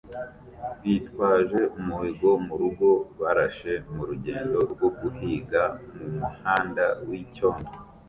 bitwaje umuhigo murugo barashe mu rugendo rwo guhiga mu muhanda w’icyondo.